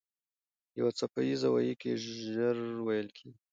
یو څپه ایز ويیکی ژر وېل کېږي.